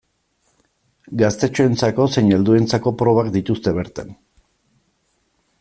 Gaztetxoentzako zein helduentzako probak dituzte bertan.